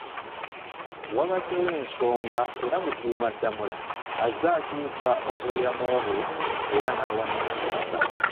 Wabaddewo ensonga era Mukuumaddamula azze akyusa obweyamo bwe era n'awa n'ensonga.